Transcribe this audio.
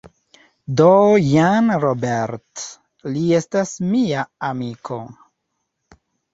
Do jen Robert, li estas mia amiko